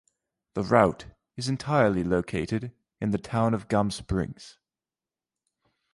The route is entirely located in the town of Gum Springs.